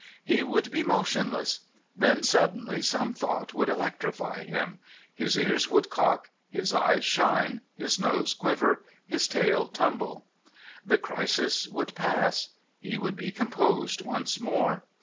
He would be motionless; then suddenly some thought would electrify him his ears would cock, his eyes shine, his nose quiver, his tail tumble. The crisis would pass; he would be composed once more.